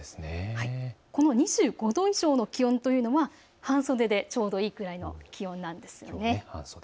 この２５度以上の気温というのは半袖でちょうどいいくらいの気温なんですね。